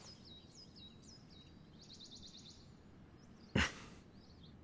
フッ。